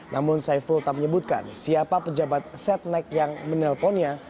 namun saiful tak menyebutkan siapa pejabat setnek yang menelponnya